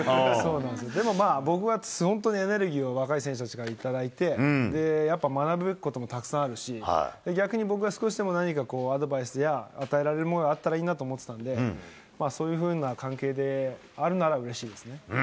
でも僕は本当に若い選手たちからエネルギーを若い選手たちから頂いて、やっぱ学ぶこともたくさんあるし、逆に僕が、少しでも何かアドバイスや与えられるものがあったらいいなと思ってたんで、そういうふうな関係であるならうれしいですね。